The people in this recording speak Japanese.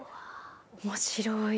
面白い！